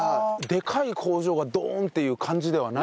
でかい工場がドーンっていう感じではない。